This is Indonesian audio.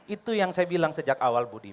itu yang saya bilang sejak awal budi